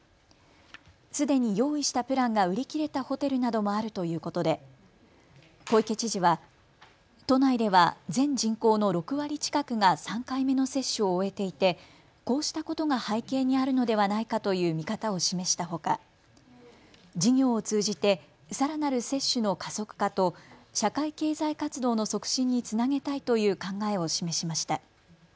すでに用意したプランが売り切れたホテルなどもあるということで小池知事は都内では全人口の６割近くが３回目の接種を終えていてこうしたことが背景にあるのではないかという見方を示したほか事業を通じてさらなる接種の加速化と社会経済活動の促進につなげたいという考えを示しました。